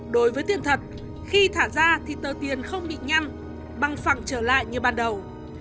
đối với tiền thật khi thả ra thì tờ tiền không bị nhăm bằng phẳng trở lại như ban đầu